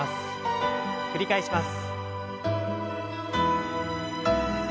繰り返します。